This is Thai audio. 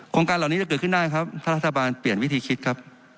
การเหล่านี้จะเกิดขึ้นได้ครับถ้ารัฐบาลเปลี่ยนวิธีคิดครับ